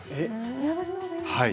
部屋干しのほうがいいんですね。